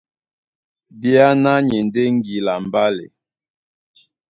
Bíáná ni e ndé ŋgila a mbálɛ.